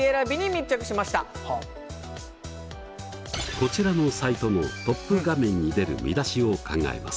こちらのサイトのトップ画面に出る見出しを考えます。